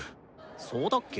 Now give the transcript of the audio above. そうだっけ？